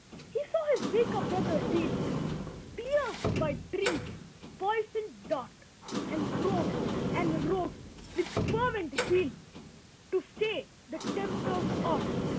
He saw his weaker brother reel, Pierced by Drink's poisoned dart, And wrought and wrote with fervent zeal To stay the Tempter's art.